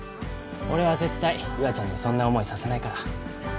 俺は絶対優愛ちゃんにそんな思いさせないから。